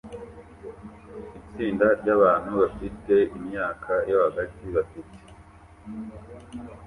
Itsinda ryabantu bafite imyaka yo hagati bafite